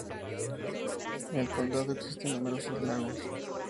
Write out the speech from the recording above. En el condado existen numerosos lagos.